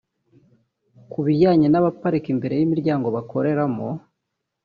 Ku bijyanye n’abaparika imbere y’imiryango bakoreramo